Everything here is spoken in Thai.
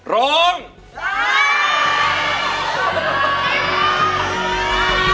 ร้อง